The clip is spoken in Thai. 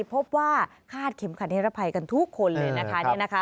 พบว่าคาดเข็มขัดนิรภัยกันทุกคนเลยนะคะ